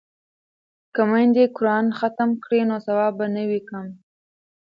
که میندې قران ختم کړي نو ثواب به نه وي کم.